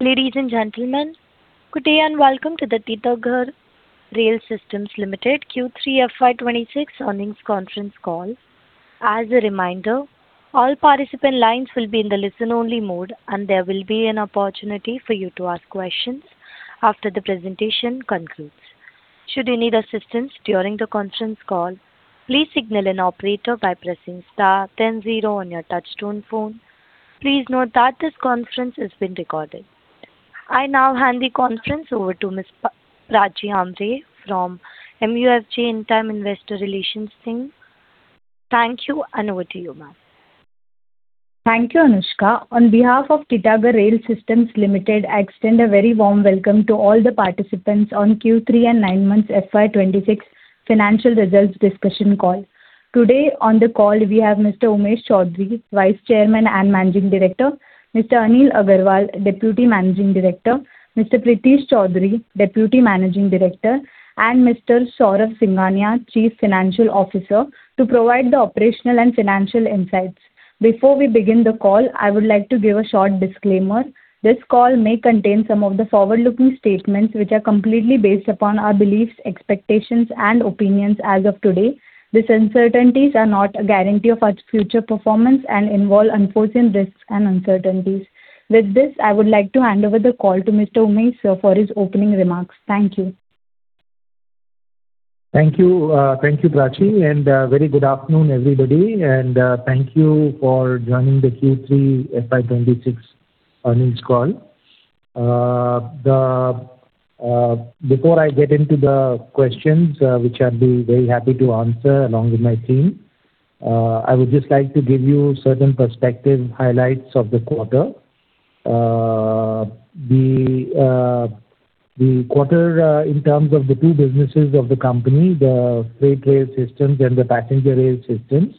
Ladies and gentlemen, good day, and welcome to the Titagarh Rail Systems Limited Q3 FY 26 earnings conference call. As a reminder, all participant lines will be in the listen only mode, and there will be an opportunity for you to ask questions after the presentation concludes. Should you need assistance during the conference call, please signal an operator by pressing star ten zero on your touchtone phone. Please note that this conference is being recorded. I now hand the conference over to Ms. Prachi Ambre from MUFG Investor Relations team. Thank you, and over to you, ma'am. Thank you, Anushka. On behalf of Titagarh Rail Systems Limited, I extend a very warm welcome to all the participants on Q3 and 9 months FY 26 financial results discussion call. Today, on the call, we have Mr. Umesh Chowdhary, Vice Chairman and Managing Director, Mr. Anil Agarwal, Deputy Managing Director, Mr. Prithish Chowdhary, Deputy Managing Director, and Mr. Saurabh Singhania, Chief Financial Officer, to provide the operational and financial insights. Before we begin the call, I would like to give a short disclaimer. This call may contain some of the forward-looking statements, which are completely based upon our beliefs, expectations, and opinions as of today. These uncertainties are not a guarantee of our future performance and involve unforeseen risks and uncertainties. With this, I would like to hand over the call to Mr. Umesh for his opening remarks. Thank you. Thank you, thank you, Prachi, and, very good afternoon, everybody, and, thank you for joining the Q3 FY 26 earnings call. Before I get into the questions, which I'd be very happy to answer along with my team, I would just like to give you certain perspective highlights of the quarter. In terms of the two businesses of the company, the freight rail systems and the passenger rail systems.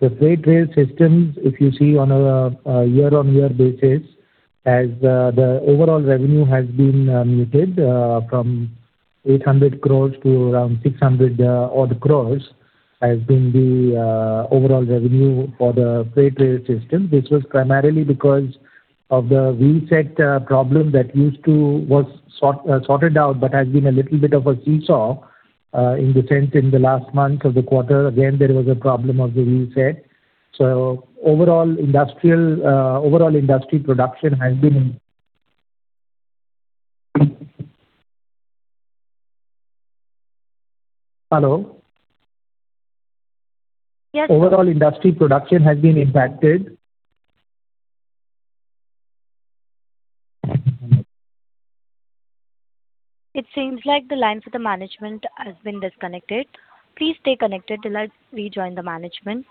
The freight rail systems, if you see on a year-on-year basis, as the overall revenue has been muted, from 800 crore to around 600-odd crore, has been the overall revenue for the freight rail system. This was primarily because of the wheel set problem that used to be sorted out, but has been a little bit of a seesaw. In the sense in the last month of the quarter, again, there was a problem of the wheel set. So overall industrial, overall industry production has been in... Hello? Yes. Overall industry production has been impacted. It seems like the line for the management has been disconnected. Please stay connected till I rejoin the management.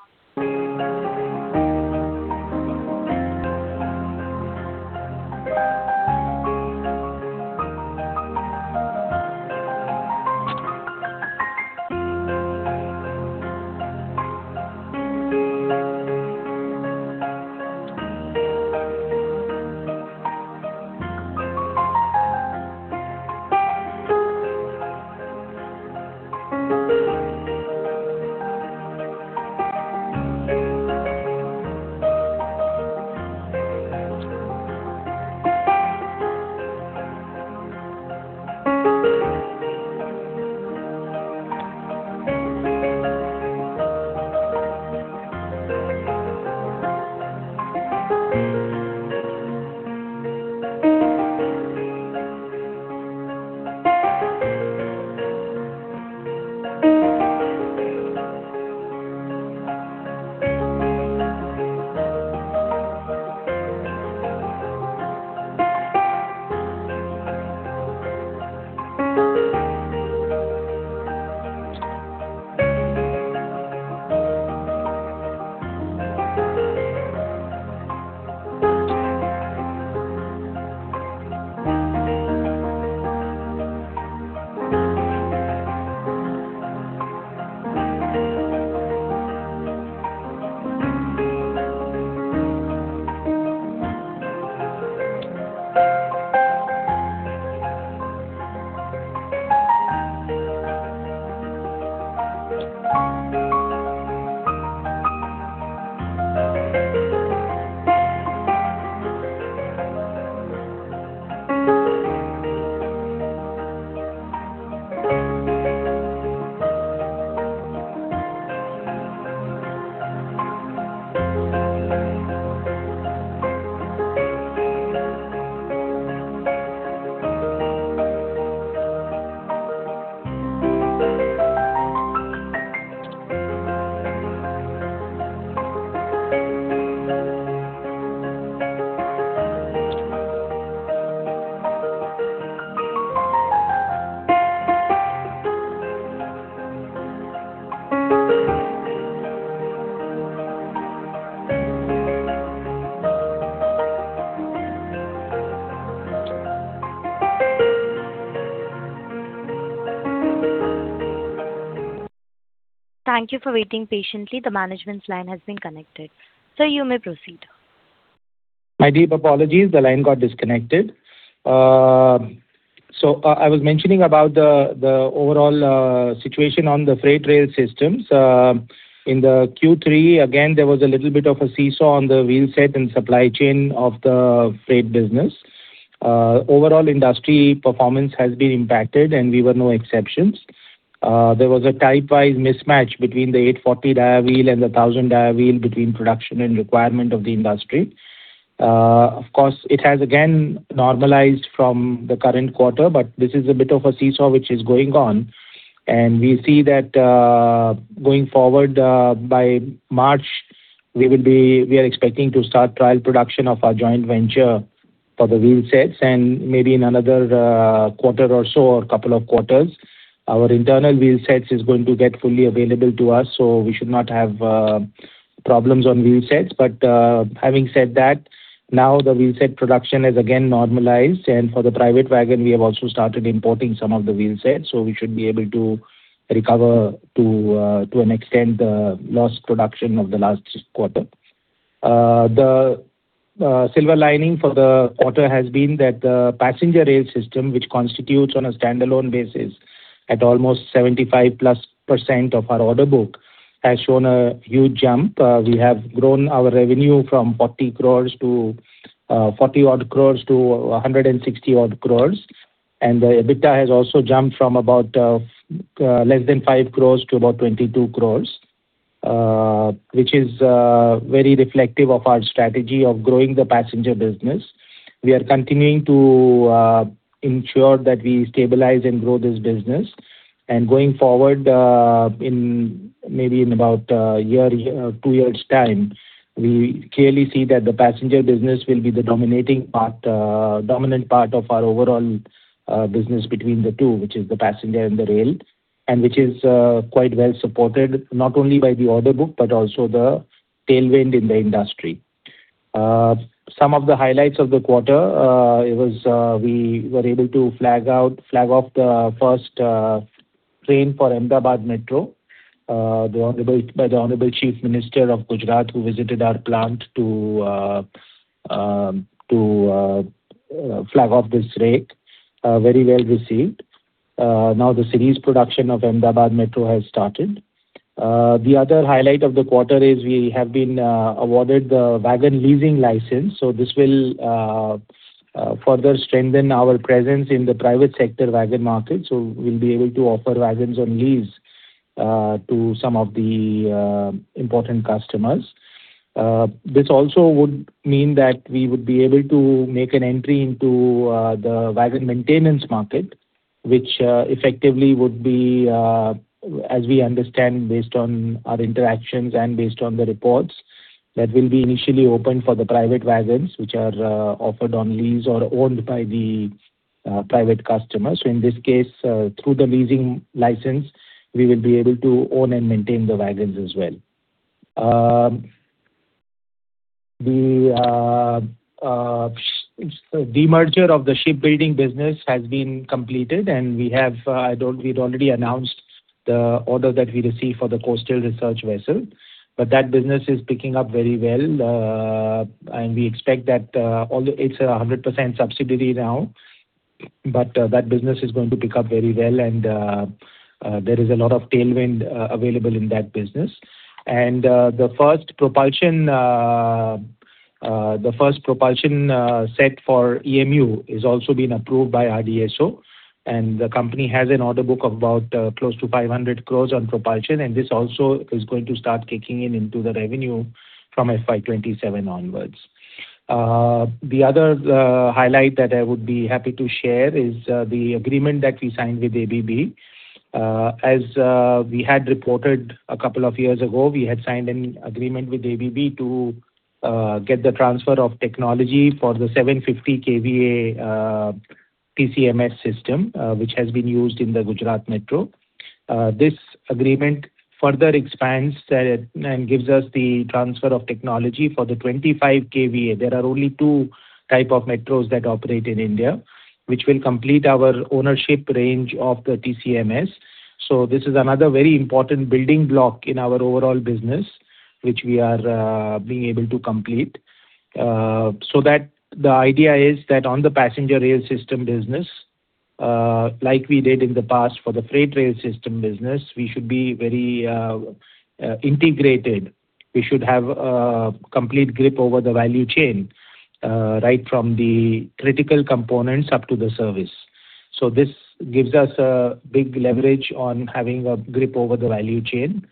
Thank you for waiting patiently. The management's line has been connected. Sir, you may proceed. My deep apologies. The line got disconnected. ...So, I was mentioning about the overall situation on the freight rail systems. In the Q3, again, there was a little bit of a seesaw on the wheel set and supply chain of the freight business. Overall industry performance has been impacted, and we were no exceptions. There was a typewise mismatch between the 840 dia wheel and the 1000 dia wheel between production and requirement of the industry. Of course, it has again normalized from the current quarter, but this is a bit of a seesaw which is going on, and we see that, going forward, by March, we are expecting to start trial production of our joint venture for the wheel sets, and maybe in another, quarter or so or couple of quarters, our internal wheel sets is going to get fully available to us, so we should not have, problems on wheel sets. But, having said that, now the wheel set production is again normalized, and for the private wagon, we have also started importing some of the wheel sets, so we should be able to recover to, to an extent, the lost production of the last quarter. The silver lining for the quarter has been that the passenger rail system, which constitutes, on a standalone basis, almost 75+% of our order book, has shown a huge jump. We have grown our revenue from 40 crore to 40-odd crores to 160-odd crores. The EBITDA has also jumped from about less than 5 crore to about 22 crores, which is very reflective of our strategy of growing the passenger business. We are continuing to ensure that we stabilize and grow this business. Going forward, in maybe in about a year, two years' time, we clearly see that the passenger business will be the dominating part, dominant part of our overall business between the two, which is the passenger and the rail, and which is quite well supported, not only by the order book, but also the tailwind in the industry. Some of the highlights of the quarter, we were able to flag off the first train for Ahmedabad Metro by the Honorable Chief Minister of Gujarat, who visited our plant to flag off this rake. Very well received. Now the series production of Ahmedabad Metro has started. The other highlight of the quarter is we have been awarded the wagon leasing license, so this will further strengthen our presence in the private sector wagon market. So we'll be able to offer wagons on lease to some of the important customers. This also would mean that we would be able to make an entry into the wagon maintenance market, which effectively would be, as we understand, based on our interactions and based on the reports, that will be initially open for the private wagons, which are offered on lease or owned by the private customers. So in this case, through the leasing license, we will be able to own and maintain the wagons as well. The demerger of the shipbuilding business has been completed, and we have, I don't... We'd already announced the order that we received for the coastal research vessel, but that business is picking up very well. We expect that, although it's 100% subsidiary now, but that business is going to pick up very well, and there is a lot of tailwind available in that business. The first propulsion set for EMU is also been approved by RDSO, and the company has an order book of about close to 500 crore on propulsion, and this also is going to start kicking in into the revenue from FY 27 onwards. The other highlight that I would be happy to share is the agreement that we signed with ABB. As we had reported a couple of years ago, we had signed an agreement with ABB to get the transfer of technology for the 750 kV TCMS system, which has been used in the Gujarat Metro. This agreement further expands and gives us the transfer of technology for the 25 kV. There are only two type of metros that operate in India, which will complete our ownership range of the TCMS. So this is another very important building block in our overall business, which we are being able to complete. So that the idea is that on the passenger rail system business, like we did in the past for the freight rail system business, we should be very integrated. We should have a complete grip over the value chain, right from the critical components up to the service. So this gives us a big leverage on having a grip over the value chain.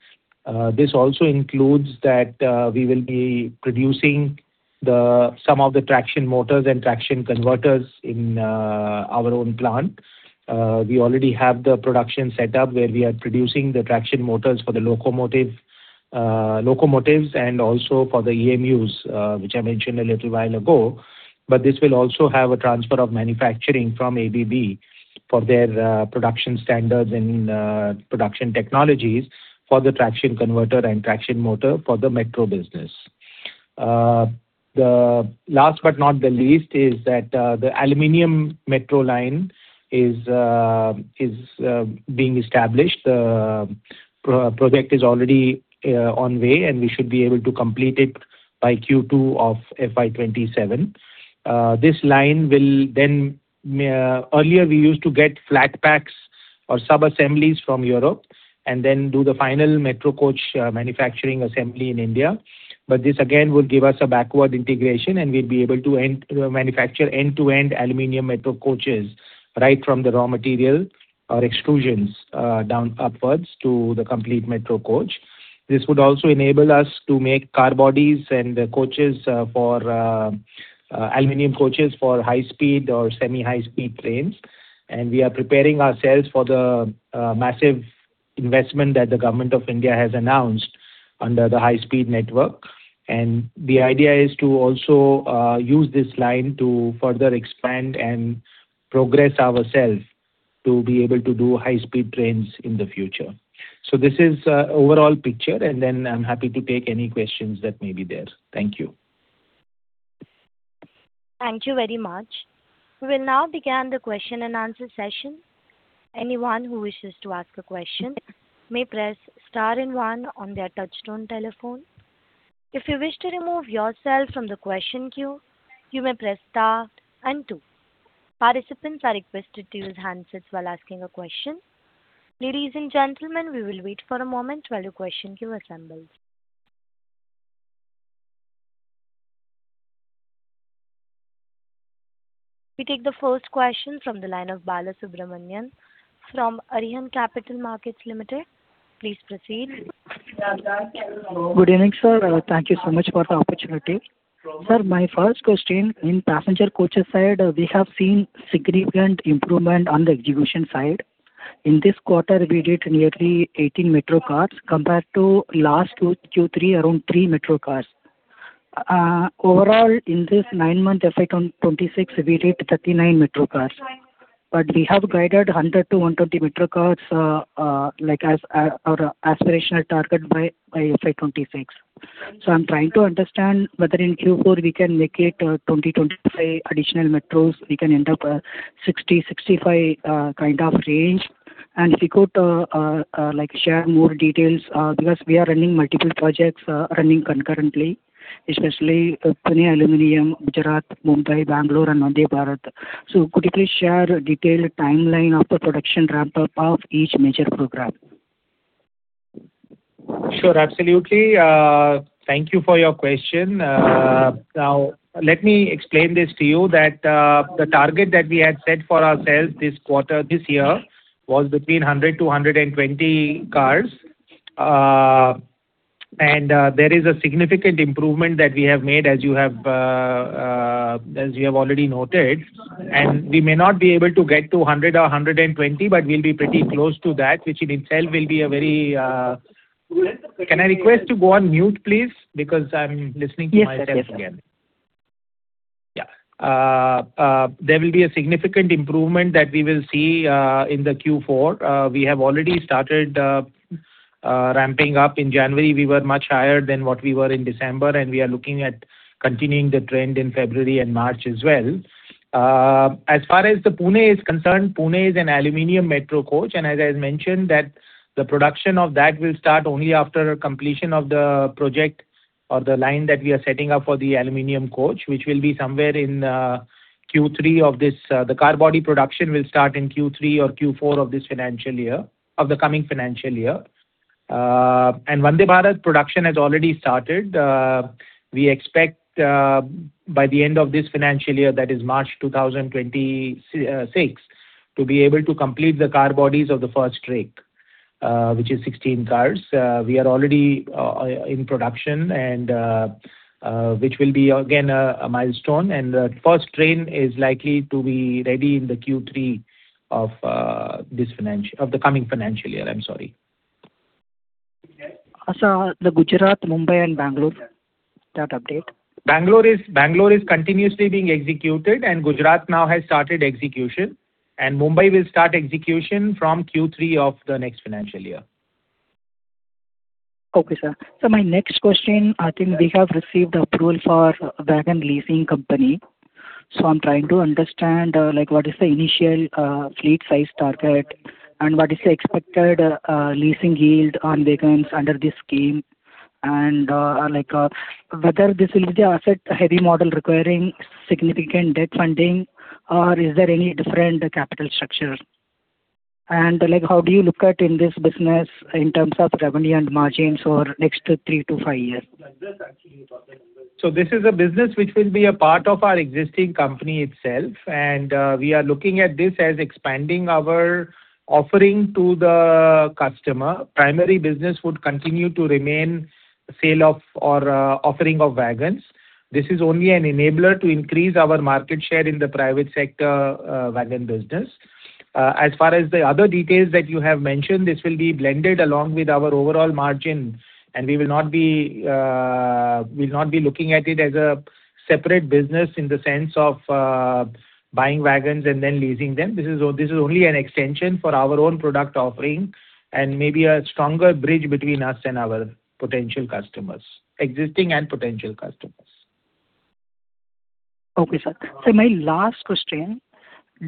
This also includes that we will be producing some of the traction motors and traction converters in our own plant. We already have the production set up, where we are producing the traction motors for the locomotives and also for the EMUs, which I mentioned a little while ago. But this will also have a transfer of manufacturing from ABB for their production standards and production technologies for the traction converter and traction motor for the metro business. The last but not the least is that the aluminum metro line is being established. Project is already on way, and we should be able to complete it by Q2 of FY 27. This line will then... Earlier, we used to get flat packs or sub assemblies from Europe, and then do the final metro coach manufacturing assembly in India. But this again, will give us a backward integration, and we'll be able to end manufacture end-to-end aluminum metro coaches, right from the raw material or extrusions down upwards to the complete metro coach. This would also enable us to make car bodies and coaches for aluminum coaches for high speed or semi-high speed trains. And we are preparing ourselves for the massive investment that the government of India has announced under the high speed network. The idea is to also use this line to further expand and progress ourselves to be able to do high speed trains in the future. This is overall picture, and then I'm happy to take any questions that may be there. Thank you. Thank you very much. We will now begin the question and answer session. Anyone who wishes to ask a question may press star and one on their touchtone telephone. If you wish to remove yourself from the question queue, you may press star and two. Participants are requested to use handsets while asking a question. Ladies and gentlemen, we will wait for a moment while the question queue assembles. We take the first question from the line of Bala Subramanian from Arihant Capital Markets Limited. Please proceed. Good evening, sir. Thank you so much for the opportunity. Sir, my first question, in passenger coaches side, we have seen significant improvement on the execution side. In this quarter, we did nearly 18 metro cars, compared to last two Q3, around 3 metro cars. Overall, in this nine-month effect on 2026, we did 39 metro cars. But we have guided 100-100 metro cars, like, as our aspirational target by, by FY 26. So I'm trying to understand whether in Q4 we can make it, 20-25 additional metros. We can end up, 60-65, kind of range. And if you could, like, share more details, because we are running multiple projects, running concurrently, especially Pune Aluminum, Gujarat, Mumbai, Bangalore, and Vande Bharat. Could you please share a detailed timeline of the production ramp-up of each major program? Sure. Absolutely. Thank you for your question. Now, let me explain this to you, that the target that we had set for ourselves this quarter, this year, was between 100-120 cars. And there is a significant improvement that we have made, as you have already noted, and we may not be able to get to 100 or 120, but we'll be pretty close to that, which in itself will be a very... Can I request to go on mute, please? Because I'm listening to myself again. Yes, sir. Yes, sir. Yeah. There will be a significant improvement that we will see in the Q4. We have already started ramping up. In January, we were much higher than what we were in December, and we are looking at continuing the trend in February and March as well. As far as the Pune is concerned, Pune is an aluminum metro coach, and as I mentioned, that the production of that will start only after completion of the project or the line that we are setting up for the aluminum coach, which will be somewhere in Q3 of this. The car body production will start in Q3 or Q4 of this financial year, of the coming financial year. And Vande Bharat production has already started. We expect, by the end of this financial year, that is March 2026, to be able to complete the car bodies of the first rake, which is 16 cars. We are already in production, and which will be again, a milestone. And the first train is likely to be ready in the Q3 of the coming financial year. I'm sorry. Sir, the Gujarat, Mumbai, and Bangalore, that update. Bangalore is continuously being executed, and Gujarat now has started execution, and Mumbai will start execution from Q3 of the next financial year. Okay, sir. So my next question, I think we have received approval for a wagon leasing company. So I'm trying to understand, like, what is the initial fleet size target and what is the expected leasing yield on wagons under this scheme? And, like, whether this will be the asset-heavy model requiring significant debt funding, or is there any different capital structure? And, like, how do you look at in this business in terms of revenue and margins for next three to five years? So this is a business which will be a part of our existing company itself, and, we are looking at this as expanding our offering to the customer. Primary business would continue to remain sale of or, offering of wagons. This is only an enabler to increase our market share in the private sector, wagon business. As far as the other details that you have mentioned, this will be blended along with our overall margin, and we will not be, we'll not be looking at it as a separate business in the sense of, buying wagons and then leasing them. This is, this is only an extension for our own product offering and maybe a stronger bridge between us and our potential customers, existing and potential customers. Okay, sir. So my last question: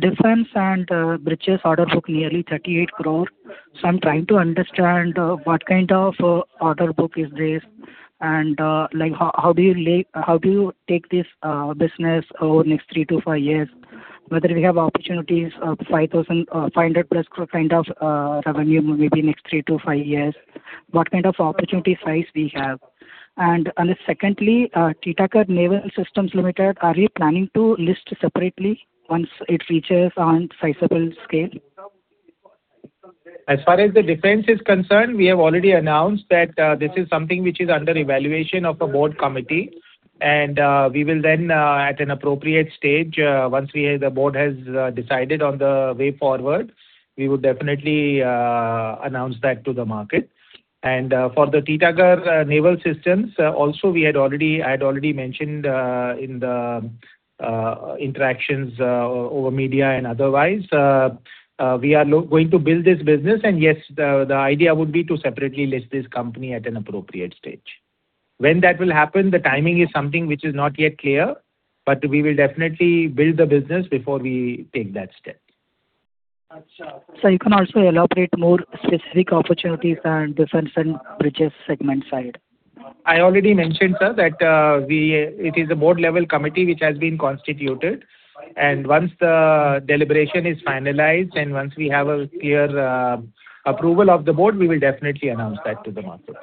defense and bridges order book, nearly 38 crore. So I'm trying to understand what kind of order book is this, and like, how do you take this business over the next 3-5 years? Whether we have opportunities of 5,500+ crore kind of revenue maybe next 3-5 years, what kind of opportunity size we have? And secondly, Titagarh Naval Systems Limited, are you planning to list separately once it reaches on sizable scale? As far as the defense is concerned, we have already announced that, this is something which is under evaluation of a board committee. And, we will then, at an appropriate stage, once we have, the board has, decided on the way forward, we will definitely, announce that to the market. And, for the Titagarh Naval Systems, also, we had already... I had already mentioned, in the, interactions, over media and otherwise, we are going to build this business, and yes, the, the idea would be to separately list this company at an appropriate stage. When that will happen, the timing is something which is not yet clear, but we will definitely build the business before we take that step. Sir, you can also elaborate more specific opportunities on defense and bridges segment side. I already mentioned, sir, that it is a board-level committee which has been constituted, and once the deliberation is finalized, and once we have a clear approval of the board, we will definitely announce that to the market.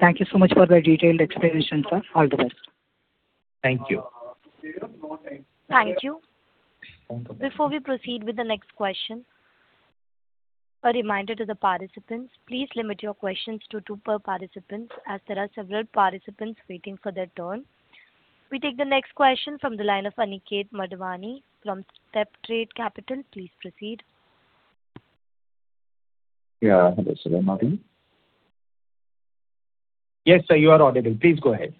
Thank you so much for the detailed explanation, sir. All the best. Thank you. Thank you. Thank you. Before we proceed with the next question, a reminder to the participants, please limit your questions to two per participant, as there are several participants waiting for their turn. We take the next question from the line of Aniket Madhavani from StepTrade Capital. Please proceed. Yeah. Hello, good morning. Yes, sir, you are audible. Please go ahead.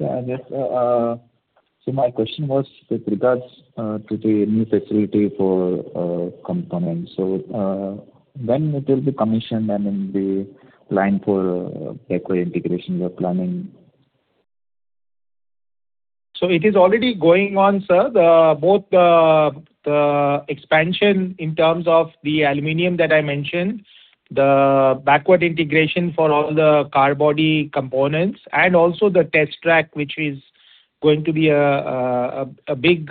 Yeah, yes. So my question was with regards to the new facility for components. So, when it will be commissioned, and then the plan for backward integration you're planning? So it is already going on, sir. The expansion in terms of the aluminum that I mentioned, the backward integration for all the car body components, and also the test track, which is going to be a big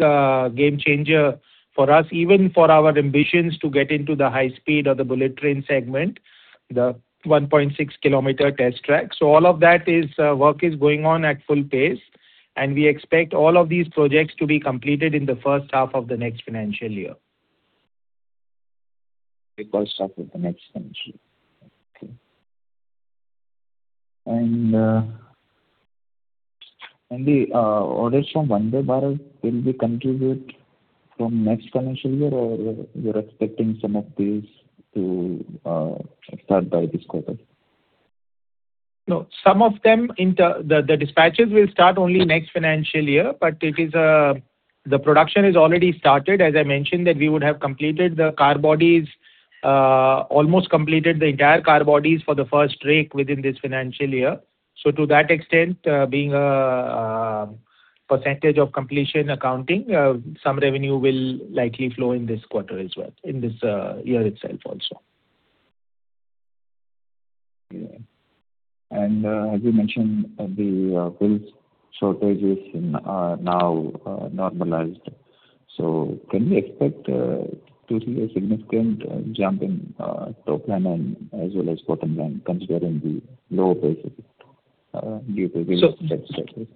game changer for us, even for our ambitions to get into the high speed or the bullet train segment, the 1.6 km test track. So all of that work is going on at full pace, and we expect all of these projects to be completed in the first half of the next financial year. The first half of the next financial year. Okay. And the orders from Vande Bharat, will they contribute from next financial year, or you're expecting some of these to start by this quarter? No, some of them in the dispatches will start only next financial year, but it is the production is already started. As I mentioned, that we would have completed the car bodies, almost completed the entire car bodies for the first rake within this financial year. So to that extent, being percentage of completion accounting, some revenue will likely flow in this quarter as well, in this year itself also. Yeah. And, as you mentioned, the wheel shortages are now normalized. So can we expect to see a significant jump in top line and as well as bottom line, considering the low base due to wheel set shortages?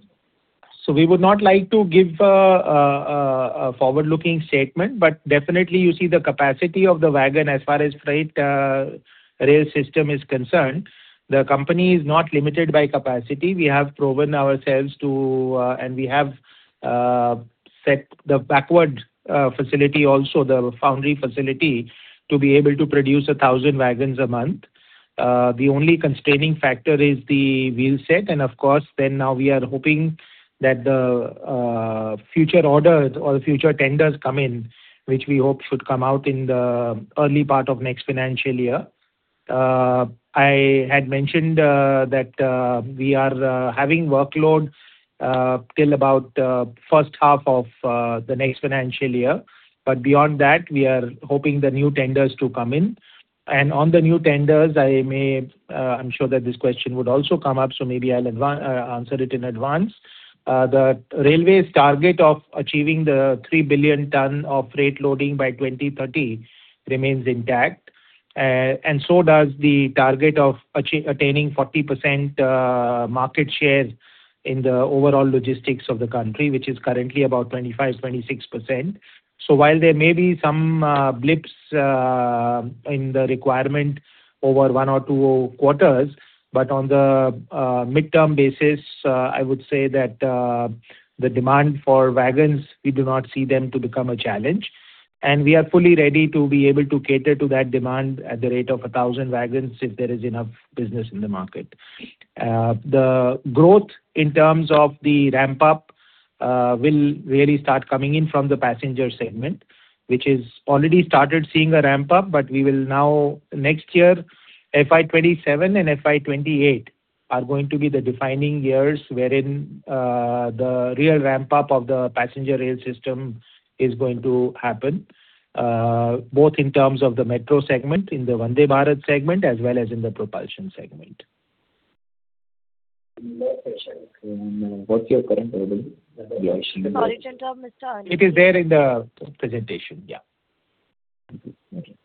So we would not like to give a forward-looking statement, but definitely you see the capacity of the wagon as far as freight rail system is concerned. The company is not limited by capacity. We have proven ourselves to and we have set the backward facility, also the foundry facility, to be able to produce 1,000 wagons a month. The only constraining factor is the wheel set, and of course, then now we are hoping that the future orders or future tenders come in, which we hope should come out in the early part of next financial year. I had mentioned that we are having workload till about first half of the next financial year. But beyond that, we are hoping the new tenders to come in. On the new tenders, I may, I'm sure that this question would also come up, so maybe I'll advance, answer it in advance. The railway's target of achieving the 3 billion ton of freight loading by 2030 remains intact, and so does the target of attaining 40% market share in the overall logistics of the country, which is currently about 25 to 26%. So while there may be some blips in the requirement over one or two quarters, but on the midterm basis, I would say that the demand for wagons, we do not see them to become a challenge. And we are fully ready to be able to cater to that demand at the rate of 1,000 wagons if there is enough business in the market. The growth in terms of the ramp-up will really start coming in from the passenger segment, which is already started seeing a ramp-up, but we will now, next year, FY 27 and FY 28 are going to be the defining years wherein the real ramp up of the passenger rail system is going to happen, both in terms of the metro segment, in the Vande Bharat segment, as well as in the propulsion segment. What's your current revenue? Sorry, in terms of, Mr. Aniket? It is there in the presentation. Yeah. Okay.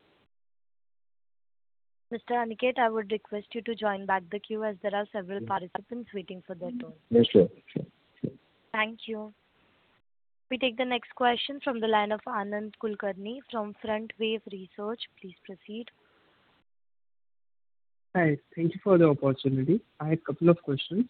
Mr. Aniket, I would request you to join back the queue, as there are several participants waiting for their turn. Yes, sure. Sure, sure. Thank you. We take the next question from the line of Anand Kulkarni from Frontwave Research. Please proceed. Hi. Thank you for the opportunity. I had a couple of questions.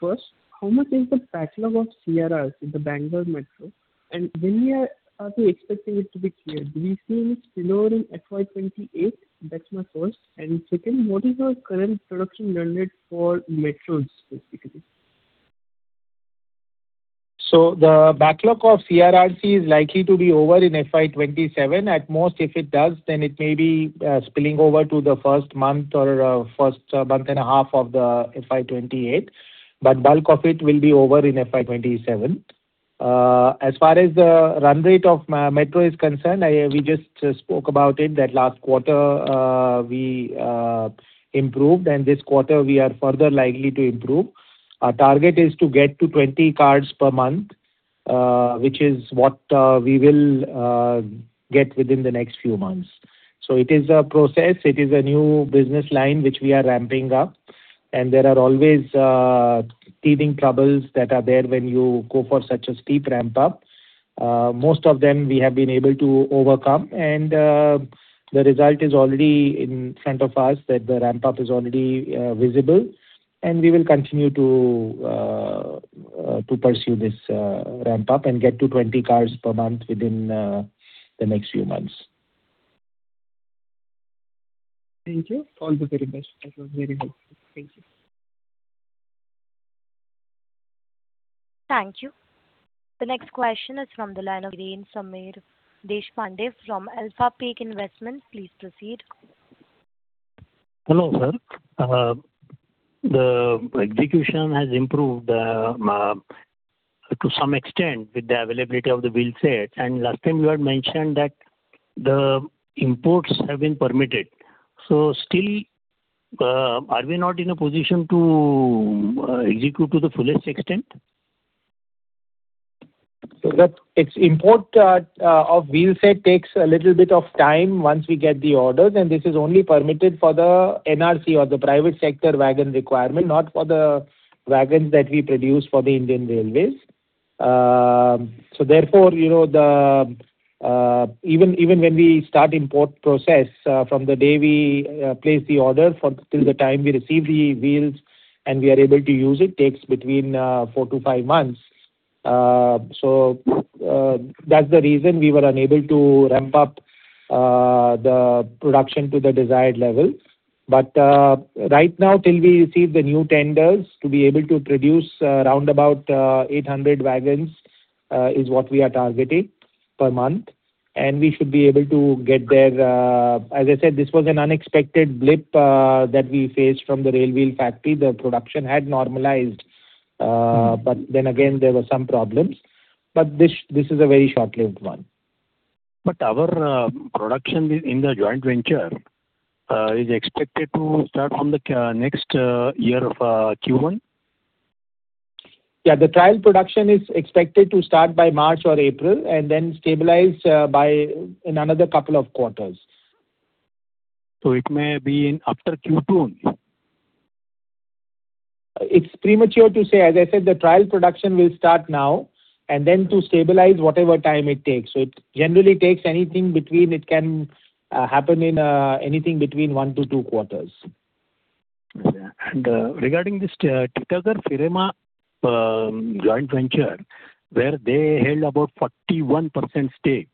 First, how much is the backlog of CRRC in the Bangalore Metro, and when are we expecting it to be cleared? Do you see it lowering FY 28? That's my first. Second, what is your current production run rate for metros, specifically? So the backlog of CRRC is likely to be over in FY 27. At most, if it does, then it may be spilling over to the first month or first month and a half of the FY 28. But bulk of it will be over in FY 27. As far as the run rate of metro is concerned, I, we just spoke about it, that last quarter, we improved, and this quarter we are further likely to improve. Our target is to get to 20 cars per month, which is what, we will get within the next few months. So it is a process. It is a new business line, which we are ramping up, and there are always teething troubles that are there when you go for such a steep ramp up. Most of them, we have been able to overcome, and the result is already in front of us, that the ramp up is already visible. We will continue to pursue this ramp up and get to 20 cars per month within the next few months. Thank you. All the very best. That was very good. Thank you. Thank you. The next question is from the line of Sameer Deshpande from Alpha Peak Investments. Please proceed. Hello, sir. The execution has improved to some extent with the availability of the wheel set, and last time you had mentioned that the imports have been permitted. So still, are we not in a position to execute to the fullest extent? So its import of wheel set takes a little bit of time once we get the orders, and this is only permitted for the NRC or the private sector wagon requirement, not for the wagons that we produce for the Indian Railways. So therefore, you know, the even, even when we start import process, from the day we place the order till the time we receive the wheels and we are able to use it, takes between 4-5 months. So that's the reason we were unable to ramp up the production to the desired level. But right now, till we receive the new tenders, to be able to produce around about 800 wagons is what we are targeting per month, and we should be able to get there. As I said, this was an unexpected blip that we faced from the Rail Wheel Factory. The production had normalized, but then again, there were some problems. But this is a very short-lived one. But our production in the joint venture is expected to start from the next year of Q1? Yeah. The trial production is expected to start by March or April, and then stabilize in another couple of quarters. So it may be in after Q2 only? It's premature to say. As I said, the trial production will start now, and then to stabilize, whatever time it takes. So it generally takes anything between... It can happen in anything between 1-2 quarters. Yeah. And, regarding this, Titagarh Firema joint venture, where they held about 41% stake,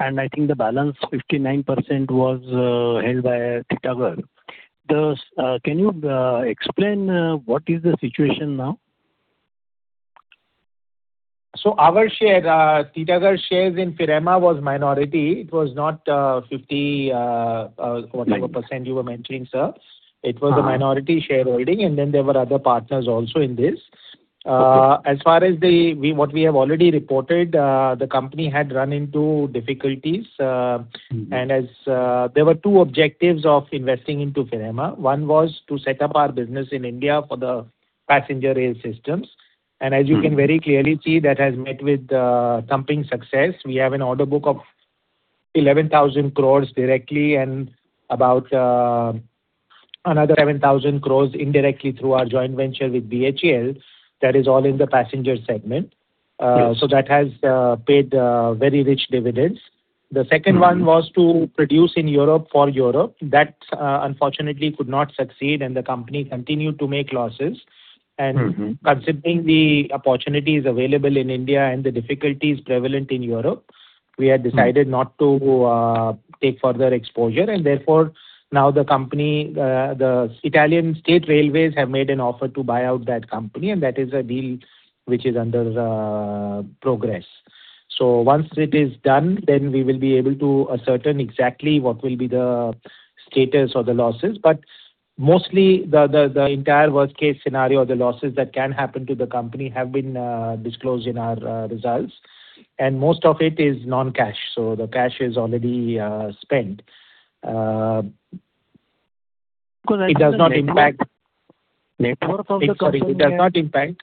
and I think the balance 59% was held by Titagarh. Can you explain what is the situation now? So our share, Titagarh shares in Firema was minority. It was not 50. Right. whatever percent you were mentioning, sir. Uh. It was a minority shareholding, and then there were other partners also in this. Okay. As far as the, what we have already reported, Mm-hmm. and as there were two objectives of investing into Firema. One was to set up our business in India for the passenger rail systems. Mm-hmm. As you can very clearly see, that has met with thumping success. We have an order book of 11,000 crore directly and about another 7,000 crore indirectly through our joint venture with BHEL. That is all in the passenger segment. Yes. So that has paid very rich dividends. Mm-hmm. The second one was to produce in Europe for Europe. That, unfortunately, could not succeed, and the company continued to make losses. Mm-hmm. Considering the opportunities available in India and the difficulties prevalent in Europe, we have decided- Mm... not to take further exposure, and therefore, now the company, the Italian State Railways, have made an offer to buy out that company, and that is a deal which is under progress. So once it is done, then we will be able to ascertain exactly what will be the status of the losses. But mostly the entire worst case scenario or the losses that can happen to the company have been disclosed in our results and most of it is non-cash, so the cash is already spent. It does not impact. It does not impact.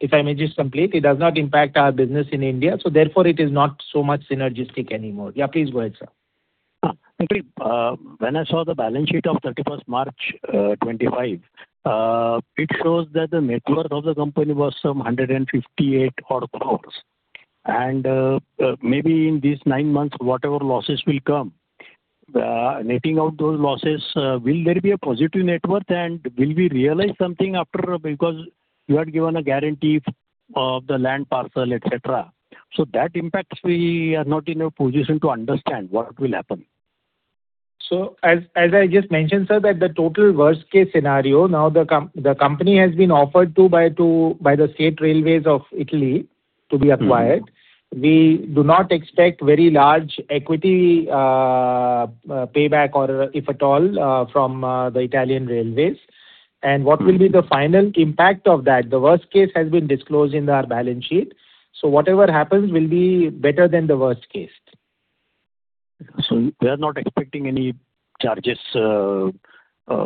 If I may just complete, it does not impact our business in India, so therefore it is not so much synergistic anymore. Yeah, please go ahead, sir. When I saw the balance sheet of 31st March 2025, it shows that the net worth of the company was 158 crore. Maybe in these nine months, whatever losses will come, the netting out those losses, will there be a positive net worth? And will we realize something after because you are given a guarantee of the land parcel, etc.? So that impact, we are not in a position to understand what will happen. So as I just mentioned, sir, that the total worst case scenario now the company has been offered by the state railways of Italy to be acquired. We do not expect very large equity payback or if at all from the Italian railways. What will be the final impact of that? The worst case has been disclosed in our balance sheet, so whatever happens will be better than the worst case. We are not expecting any charges,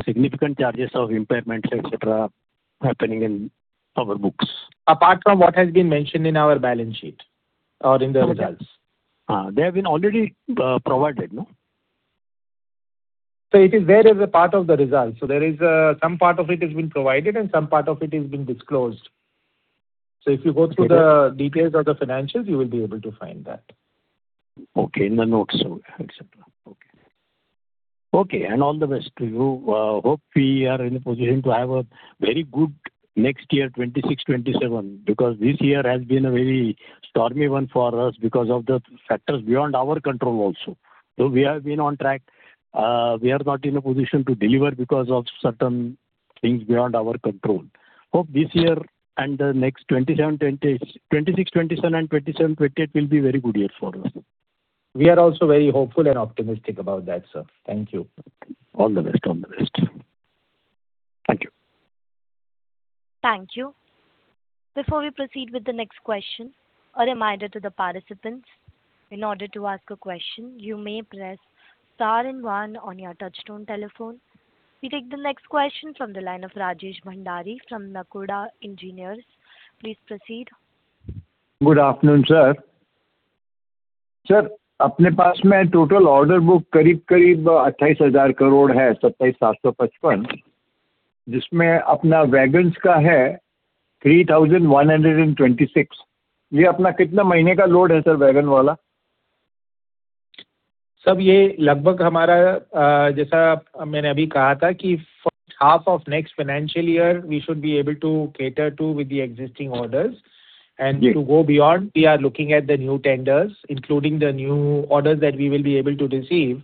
significant charges of impairments, etc., happening in our books. Apart from what has been mentioned in our balance sheet or in the results. They have been already provided, no? So it is there as a part of the results. So there is some part of it has been provided and some part of it has been disclosed. So if you go through the details of the financials, you will be able to find that. Okay. In the notes, etc. Okay. Okay. All the best to you. Hope we are in a position to have a very good next year, 2026, 2027, because this year has been a very stormy one for us because of the factors beyond our control also. Though we have been on track, we are not in a position to deliver because of certain things beyond our control. Hope this year and the next 2027, 2028, 2026, 2027 and 2027, 2028 will be very good year for us. We are also very hopeful and optimistic about that, sir. Thank you. All the best. All the best. Thank you. Thank you. Before we proceed with the next question, a reminder to the participants. In order to ask a question, you may press star and one on your touchtone telephone. We take the next question from the line of Rajesh Bhandari from Nakoda Engineers. Please proceed. Good afternoon, sir. Sir, apne paas mein total order book karib-karib INR 28,000 crore hai. 27,755, jismein apna wagons ka hai INR 3,126. Yeh apna kitna mahine ka load hai, sir wagon waala? Sir, yeh lagbhag hamara jaisa maine abhi kaha tha ki first half of next financial year, we should be able to cater to with the existing orders and to go beyond. We are looking at the new tenders, including the new orders that we will be able to receive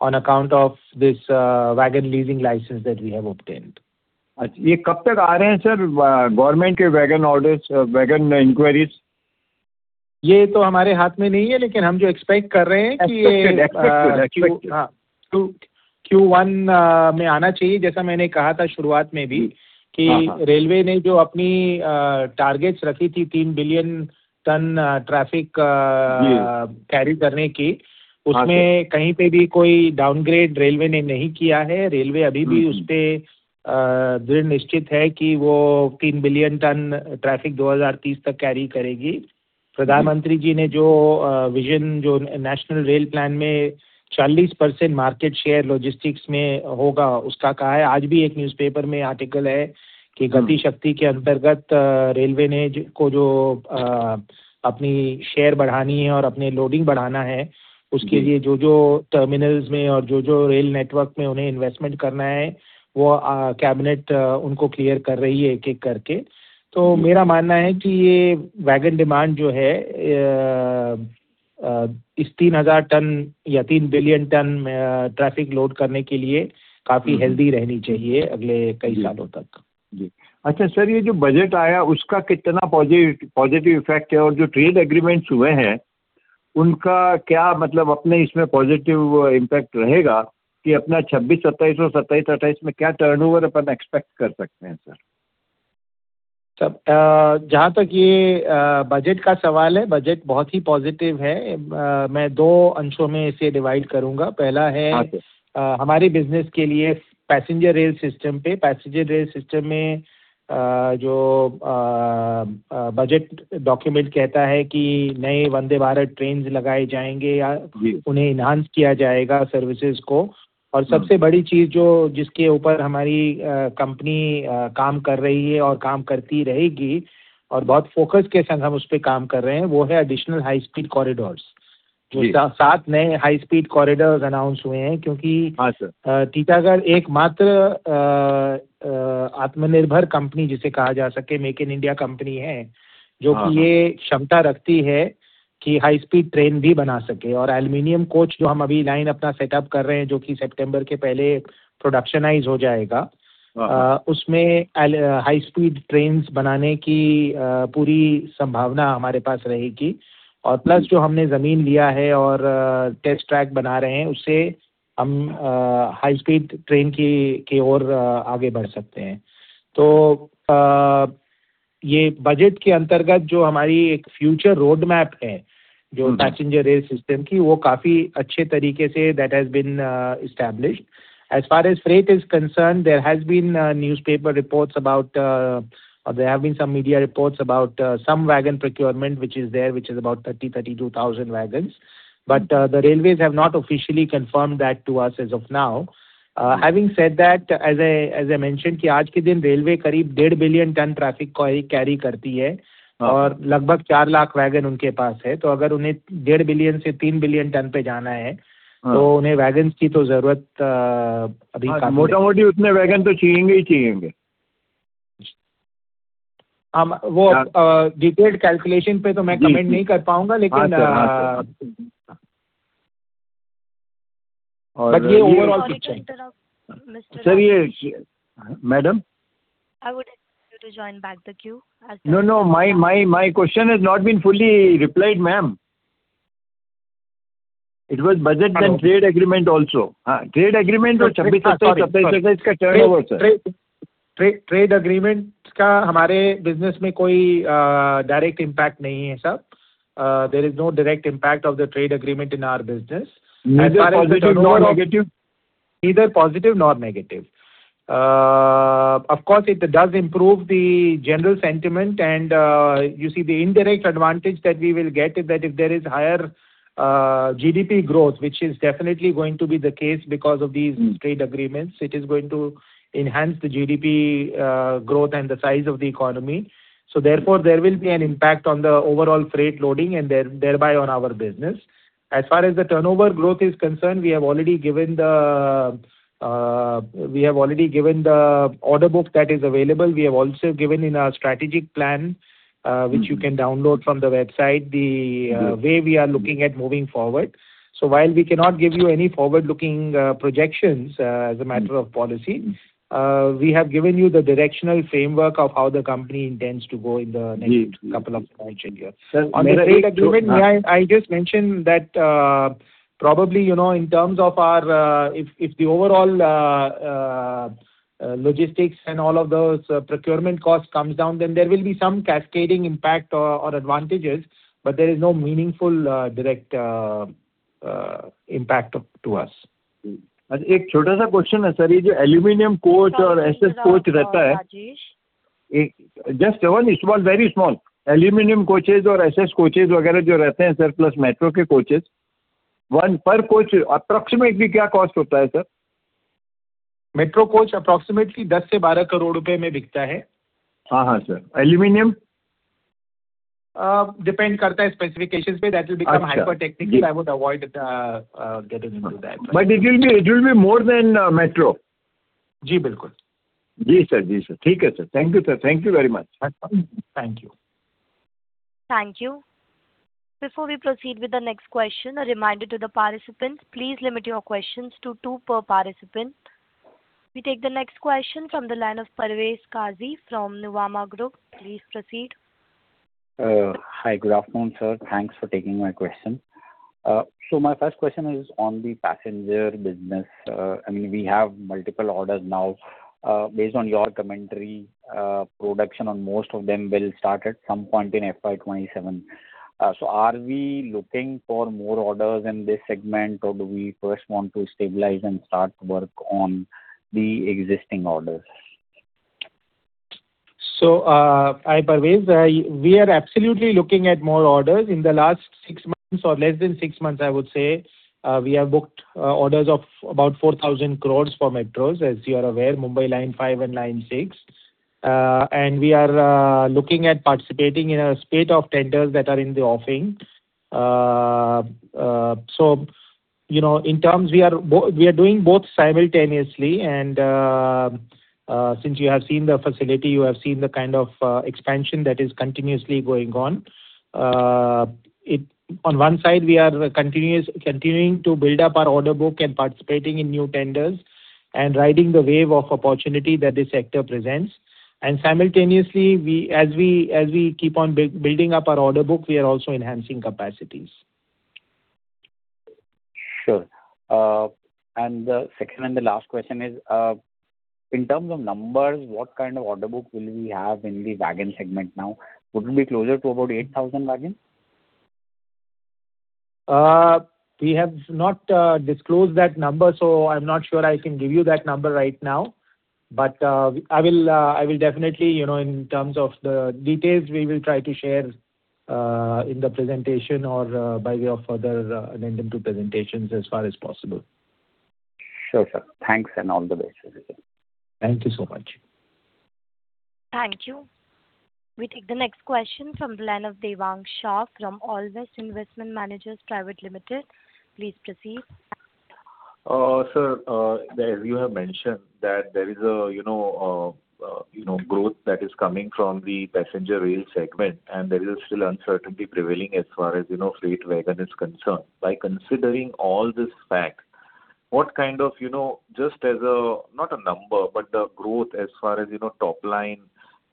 on account of this wagon leasing license that we have obtained. ये कब तक आ रहे हैं, sir, government के wagon orders, wagon inquiries? ये तो हमारे हाथ में नहीं है, लेकिन हम जो एक्सपेक्ट कर रहे हैं कि ये- Expected, expected, expected. हां, Q1 में आना चाहिए। जैसा मैंने कहा था शुरुआत में भी कि रेलवे ने जो अपनी टारगेट्स रखी थी, 3 बिलियन टन ट्रैफिक कैरी करने की, उसमें कहीं पर भी कोई डाउनग्रेड रेलवे ने नहीं किया है। रेलवे अभी भी उस पर दृढ़ निश्चित है कि वह 3 बिलियन टन ट्रैफिक 2030 तक कैरी करेगी। प्रधानमंत्री जी ने जो विजन, जो नेशनल रेल प्लान में 40% मार्केट शेयर लॉजिस्टिक्स में होगा, उसका कहा है। आज भी एक न्यूजपेपर में आर्टिकल है कि गति शक्ति के अंतर्गत रेलवे ने को जो अपनी शेयर बढ़ानी है और अपने लोडिंग बढ़ाना है, उसके लिए जो-जो टर्मिनल में और जो-जो रेल नेटवर्क में उन्हें इन्वेस्टमेंट करना है, वह कैबिनेट उनको क्लियर कर रही है, एक-एक करके। तो मेरा मानना है कि यह वैगन डिमांड जो है, इस 3,000 टन या 3 बिलियन टन ट्रैफिक लोड करने के लिए काफी हेल्दी रहनी चाहिए अगले कई सालों तक। जी। अच्छा सर, ये जो बजट आया, उसका कितना positive, positive effect है और जो trade agreements हुए हैं, उनका क्या मतलब अपनों में positive impact रहेगा कि अपना 2026, 2027 और 2027, 2028 में क्या turnover अपन expect कर सकते हैं, सर? सर, जहां तक ये बजट का सवाल है, बजट बहुत ही पॉजिटिव है। मैं दो अंशों में इसे डिवाइड करूंगा। पहला है- हां सर।... हमारी बिजनेस के लिए पैसेंजर रेल सिस्टम पे। पैसेंजर रेल सिस्टम में जो बजट डॉक्यूमेंट कहता है कि नए Vande Bharat trains लगाए जाएंगे या उन्हें enhance किया जाएगा services को। और सबसे बड़ी चीज, जो जिसके ऊपर हमारी कंपनी काम कर रही है और काम करती रहेगी और बहुत फोकस के साथ हम उस पर काम कर रहे हैं, वह है additional high speed corridor। 7 नए high speed corridor announce हुए हैं, क्योंकि- हां sir. Titagarh is the only Aatmanirbhar company that can be called a Make in India company. It has this capacity...... ki high-speed train bhi bana sake aur aluminium coach jo hum abhi line apna setup kar rahe hain, jo ki September ke pehle production shuru ho jayega. Usmein high-speed trains banane ki poori sambhavna hamare paas rahegi aur plus jo humne zameen liya hai aur test track bana rahe hain, usse hum high-speed train ki or aage badh sakte hain. To yeh budget ke antargat jo hamari ek future road map hai, jo passenger rail system ki, vah kaafi acche tarike se that has been established as far as freight is concern, there have been newspaper reports about they have some media reports about some wagon procurement, which is there, which is about 32,000 wagons, but the railways have not officially confirmed that to us as of now. Having said that as a as a mention ki aaj ke din railway karib 1.5 billion ton traffic carry karti hai aur lagbhag 400,000 wagons unke paas hai. To agar unhe 1.5 billion se 3 billion ton par jana hai to unhe wagons ki to jarurat abhi. Motamoti utne wagon to chahiye hi chahiye. अब वो detail calculation पर तो मैं comment नहीं कर पाऊंगा, लेकिन। ये madam. Join back the queue. No, no, ma'am, ma'am. My question is not been fully replied, ma'am. It was budget and trade agreement also. Trade agreement and 2026-2027 ka turnover, sir. Trade agreement ka hamare business mein koi direct impact nahi hai, sahab. There is no direct impact of the trade agreement in our business. Negative. Negativity and negative of course improve the general sentiment and you see the indirect advantage that we will get that if there is higher GDP growth, which is definitely going to be the case because of this trade agreement, it is going to enhance GDP growth and the size of the economy. So there will be an impact on the overall freight loading and thereby on our business as far as the turnover growth is concerned, we have already given the we have already given the order book that is available. We have also given in strategic plan, which you can download from the website the way we are looking at moving forward. So we cannot give you any forward-looking projections as a matter of policy. We have given you the directional framework of how the company intends to go in the couple of years. Trade agreement. I just mention that probably you know, in terms of our if the overall logistics and all of the procurement cost come down, then there will be some cascading impact and advantage. But there is no meaningful direct impact to us. एक छोटा सा question है sir, ये जो aluminum coach और SS coach रहता है, just very small aluminum coaches और SS coaches वगैरह जो रहते हैं सर, plus metro के coaches one per coach approximately क्या cost होता है sir? Metro coach approximately INR 10 crore-INR 12 crore mein bikta hai. Yes, sir, aluminum. It depends on the specifications. That will be hyper technical, I would avoid getting in. But it will be more than metro. जी बिल्कुल। Ji sir, ji sir. Theek hai sir. Thank you sir. Thank you very much. Thank you. you. Before we proceed with the next question, a reminder to the participants, please limit your question to one per participant. We take the next question from the line of Parvez Kazi from Nama Group. Please proceed. Hi, good afternoon sir. Thanks for taking my question. So my first question is on the passenger business. I mean we have multiple orders now. Based on your commentary production on most of them will start at some point in FY 27. So are we looking for more orders in this segment and do we first want to stabilize and start work on the existing orders. So I presume, we are absolutely looking at more orders in the last six months or less than six months. I would say we have booked orders of about 4,000 crore for metros. As you are aware Mumbai Line 5 and Line 6 and we are looking at participating in spate of tenders that are in the offering. So you know, in terms we are doing both simultaneously and since you have seen the facility, you have seen the kind of expansion that is continuously going on one side. We are continuously continuing to build up order book and participating in new tenders and riding the wave of opportunity that this sector presents and simultaneously we as we keep on building up order book. We are also enhancing capacity. Sure, and second, and the last question is in terms of numbers, what kind of order book will we have in the wagon segment now? Would be closer to about 8,000 wagons. not disclosed that number so I am not sure I can give you that number right now, but I will. I will definitely. You know, in terms of the details, we will try to share in the presentation and by end of the quarter and to presentation as far as possible. Sir, thanks and all the best! Thank you so much. Thank you. We take the next question from the line of Devansh Shah from All West Investment Managers Private Limited. Please proceed. Sir, as you have mentioned, that there is a, you know, you know, growth that is coming from the passenger rail segment, and there is still uncertainty prevailing as far as, you know, freight wagon is concerned. By considering all this fact, what kind of, you know, just as a, not a number, but the growth as far as, you know, top line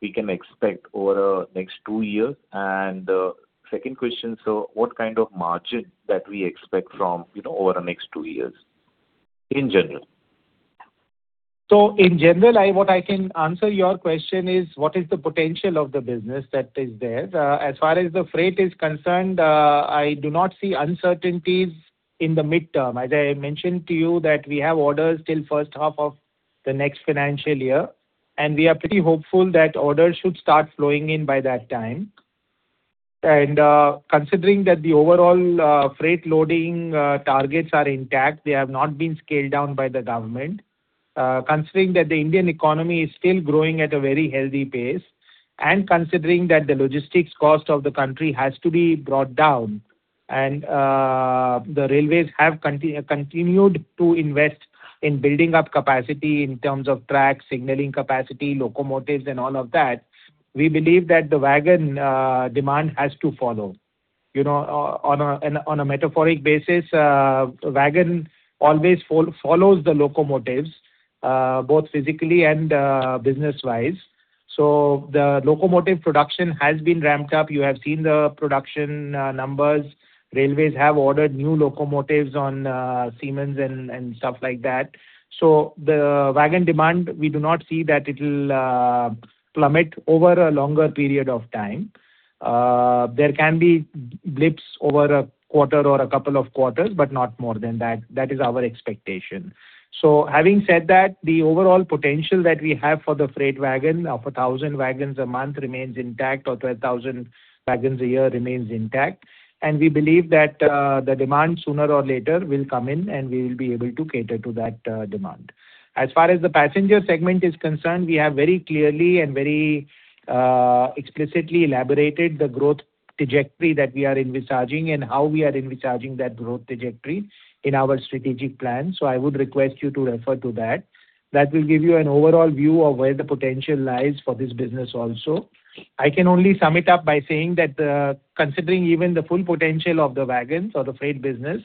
we can expect over the next two years? And, second question, so what kind of margin that we expect from, you know, over the next two years in general? In general, what I can answer your question is what is the potential of the business that is there? As far as the freight is concerned, I do not see uncertainties in the midterm. As I mentioned to you, that we have orders till first half of the next financial year, and we are pretty hopeful that orders should start flowing in by that time. Considering that the overall freight loading targets are intact, they have not been scaled down by the government. Considering that the Indian economy is still growing at a very healthy pace, and considering that the logistics cost of the country has to be brought down and the railways have continued to invest in building up capacity in terms of track, signaling capacity, locomotives and all of that, we believe that the wagon demand has to follow. You know, on a metaphoric basis, wagon always follows the locomotives, both physically and business-wise. So the locomotive production has been ramped up. You have seen the production numbers. Railways have ordered new locomotives on Siemens and stuff like that. So the wagon demand, we do not see that it'll plummet over a longer period of time. There can be blips over a quarter or a couple of quarters, but not more than that. That is our expectation. So having said that, the overall potential that we have for the freight wagon of 1,000 wagons a month remains intact, or 12,000 wagons a year remains intact. And we believe that, the demand, sooner or later, will come in, and we will be able to cater to that, demand. As far as the passenger segment is concerned, we have very clearly and very, explicitly elaborated the growth trajectory that we are envisaging and how we are envisaging that growth trajectory in our strategic plan. So I would request you to refer to that. That will give you an overall view of where the potential lies for this business also. I can only sum it up by saying that, considering even the full potential of the wagons or the freight business,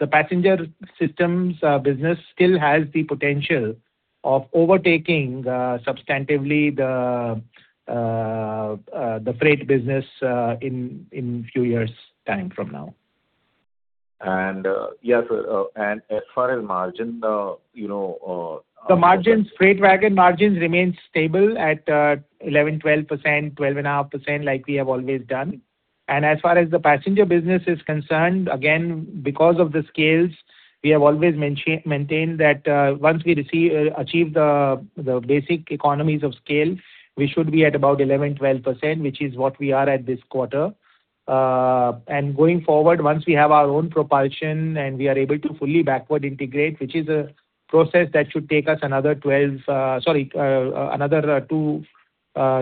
the passenger systems business still has the potential of overtaking substantively the freight business, in few years' time from now. Yeah, so, and as far as margin, you know, The margins, freight wagon margins remain stable at 11 to 12%, 12.5%, like we have always done. As far as the passenger business is concerned, again, because of the scales, we have always maintained that once we achieve the basic economies of scale, we should be at about 11 to 12%, which is what we are at this quarter. And going forward, once we have our own propulsion and we are able to fully backward integrate, which is a process that should take us another 2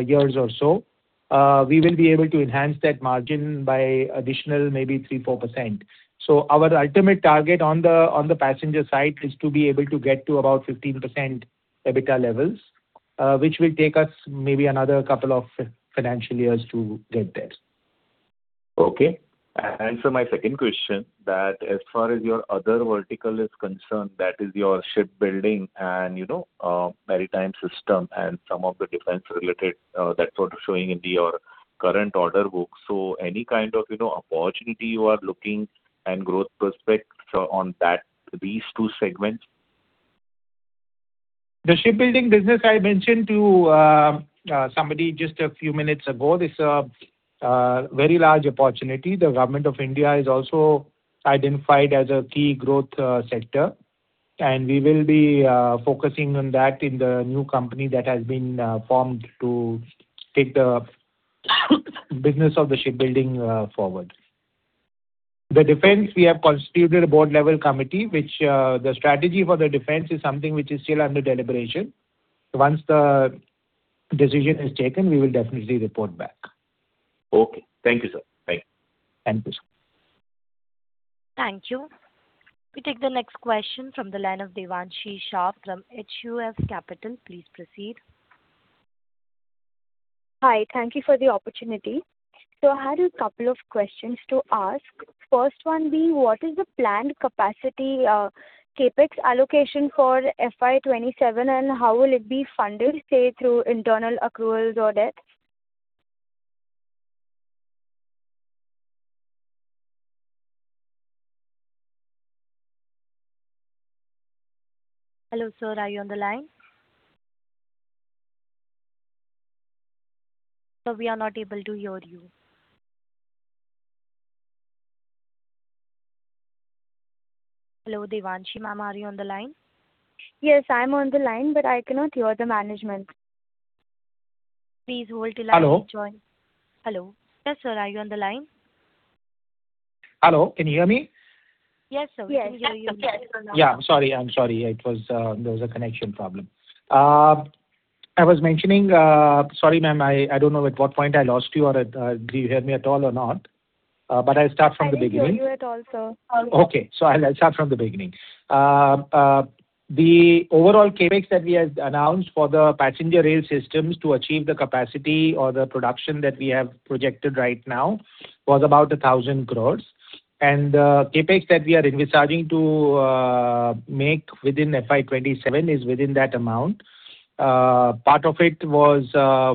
years or so, we will be able to enhance that margin by additional maybe 3 to 4%. So our ultimate target on the passenger side is to be able to get to about 15% EBITDA levels, which will take us maybe another couple of financial years to get there. Okay. And so my second question, that as far as your other vertical is concerned, that is your shipbuilding and, you know, maritime system and some of the defense related, that sort of showing in your current order book. So any kind of, you know, opportunity you are looking and growth prospects on that, these two segments? The shipbuilding business I mentioned to somebody just a few minutes ago, this, a very large opportunity. The Government of India has also identified it as a key growth sector, and we will be focusing on that in the new company that has been formed to take the business of the shipbuilding forward. The defense, we have constituted a board-level committee, which the strategy for the defense is something which is still under deliberation. Once the decision is taken, we will definitely report back. Okay. Thank you, sir. Bye. Thank you. Thank you. We take the next question from the line of Devanshi Shah from HSF Capital. Please proceed. Hi. Thank you for the opportunity. I had a couple of questions to ask. First one being: What is the planned capacity, CapEx allocation for FY 27, and how will it be funded, say, through internal accruals or debt? Hello, sir, are you on the line? Sir, we are not able to hear you. Hello, Devanshi, ma'am, are you on the line? Yes, I'm on the line, but I cannot hear the management. Please hold the line. Hello? Hello. Yes, sir, are you on the line? Hello, can you hear me? Yes, sir. Yes. Yeah, I'm sorry. I'm sorry. It was... There was a connection problem. I was mentioning... Sorry, ma'am, I, I don't know at what point I lost you or, do you hear me at all or not?... But I'll start from the beginning. I can't hear you at all, sir. Okay, so I'll, I'll start from the beginning. The overall CapEx that we have announced for the passenger rail systems to achieve the capacity or the production that we have projected right now was about 1,000 crore. And, CapEx that we are envisaging to make within FY 27 is within that amount. Part of it was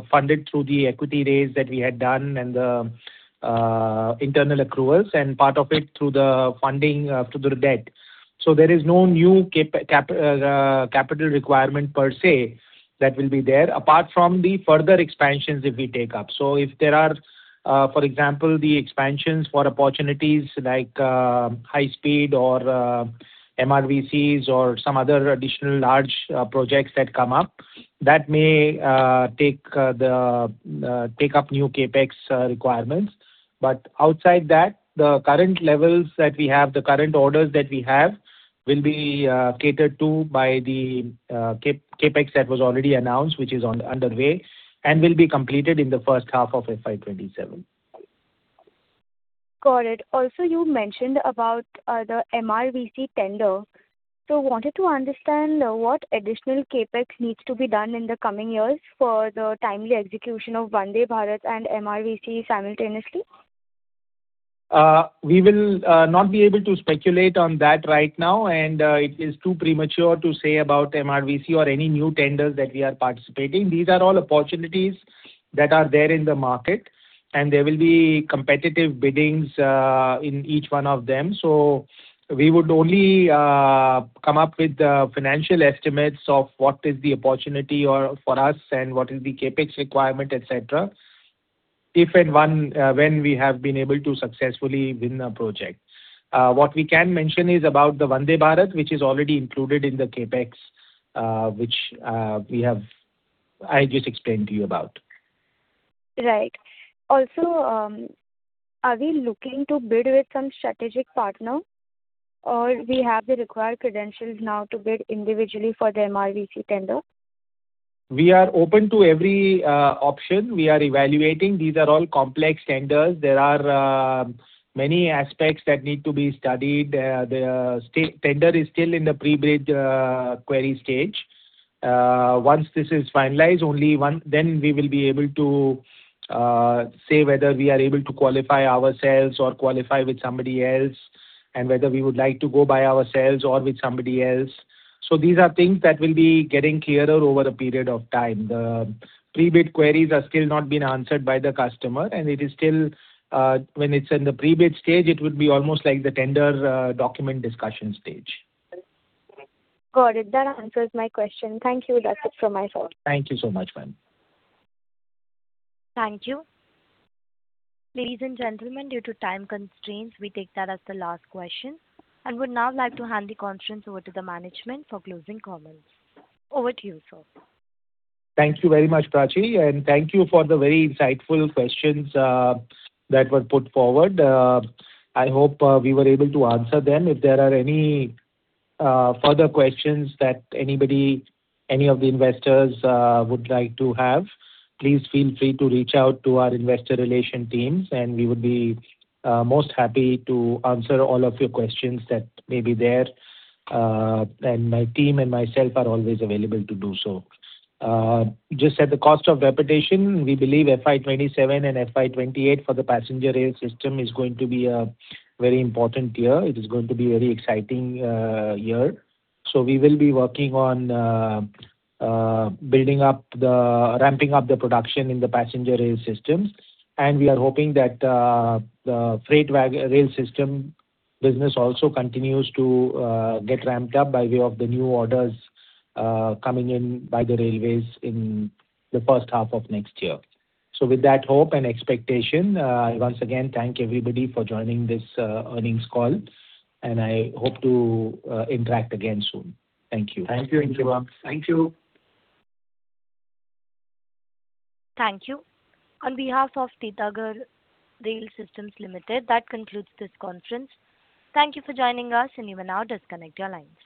funded through the equity raise that we had done and the internal accruals, and part of it through the funding through the debt. So there is no new capital requirement per se, that will be there, apart from the further expansions if we take up. So if there are, for example, the expansions for opportunities like, high speed or, MRVCs or some other additional large, projects that come up, that may, take, the, take up new CapEx, requirements. But outside that, the current levels that we have, the current orders that we have, will be, catered to by the, CapEx that was already announced, which is now underway, and will be completed in the first half of FY 27. Got it. Also, you mentioned about the MRVC tender. So wanted to understand what additional CapEx needs to be done in the coming years for the timely execution of Vande Bharat and MRVC simultaneously? We will not be able to speculate on that right now, and it is too premature to say about MRVC or any new tenders that we are participating. These are all opportunities that are there in the market, and there will be competitive biddings in each one of them. So we would only come up with the financial estimates of what is the opportunity or, for us, and what is the CapEx requirement, et cetera, if and when we have been able to successfully win a project. What we can mention is about the Vande Bharat, which is already included in the CapEx, which we have I just explained to you about. Right. Also, are we looking to bid with some strategic partner, or we have the required credentials now to bid individually for the MRVC tender? We are open to every option. We are evaluating. These are all complex tenders. There are many aspects that need to be studied. The state tender is still in the pre-bid query stage. Once this is finalized, only one, then we will be able to say whether we are able to qualify ourselves or qualify with somebody else, and whether we would like to go by ourselves or with somebody else. So these are things that will be getting clearer over a period of time. The pre-bid queries are still not been answered by the customer, and it is still, when it's in the pre-bid stage, it would be almost like the tender document discussion stage. Got it. That answers my question. Thank you. That's it from my side. Thank you so much, ma'am. Thank you. Ladies and gentlemen, due to time constraints, we take that as the last question, and would now like to hand the conference over to the management for closing comments. Over to you, sir. Thank you very much, Prachi, and thank you for the very insightful questions that were put forward. I hope we were able to answer them. If there are any further questions that anybody, any of the investors, would like to have, please feel free to reach out to our investor relation teams, and we would be most happy to answer all of your questions that may be there. And my team and myself are always available to do so. Just at the cost of repetition, we believe FY 27 and FY 28 for the passenger rail system is going to be a very important year. It is going to be a very exciting year. So we will be working on ramping up the production in the passenger rail systems. We are hoping that the freight rail system business also continues to get ramped up by way of the new orders coming in by the railways in the first half of next year. With that hope and expectation, I once again thank everybody for joining this earnings call, and I hope to interact again soon. Thank you. Thank you. Thank you. Thank you. On behalf of Titagarh Rail Systems Limited, that concludes this conference. Thank you for joining us, and you may now disconnect your lines.